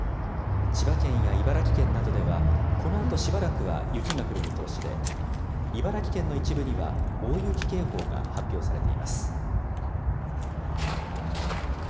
千葉県や茨城県などではこのあとしばらくは雪が降る見通しで、茨城県の一部には大雪警報が発表されています。